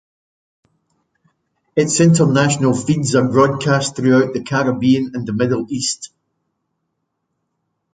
Its international feeds are broadcast throughout the Caribbean and the Middle East.